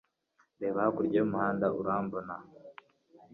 reba hakurya yumuhanda urambona